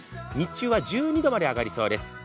日中は１２度まで上がりそうです。